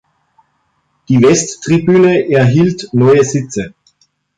Die Westtribüne erhielt neue Sitze.